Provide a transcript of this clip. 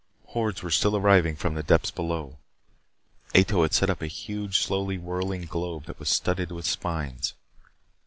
Hordes were still arriving from the depths below. Ato had set up a huge, slowly whirling globe that was studded with spines.